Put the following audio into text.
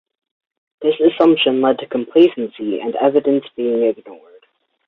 This assumption led to complacency and evidence being ignored.